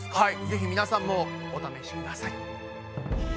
ぜひ皆さんもお試しください。